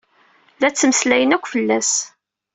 La ttmeslayen akk fell-as.